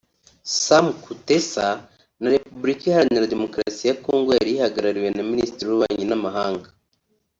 Sam Kutesa na Repubulika Iharanira Demokarasi ya Congo yari ihagarariwe na Minisitiri w’Ububanyi n’amahanga